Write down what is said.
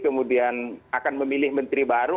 kemudian akan memilih menteri baru